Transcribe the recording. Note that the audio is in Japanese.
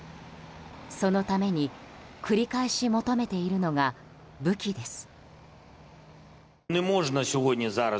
そのために繰り返し求めているのが武器です。